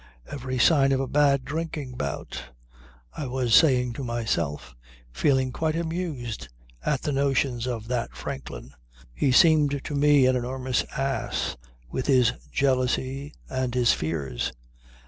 Every sign of a bad drinking bout, I was saying to myself, feeling quite amused at the notions of that Franklin. He seemed to me an enormous ass, with his jealousy and his fears.